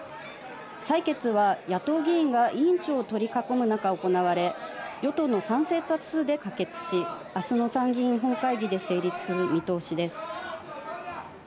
採決は野党議員が委員長を取り囲むなか行われ、与党の賛成多数で可決し、あすの参議院本会議で成立する見通しです。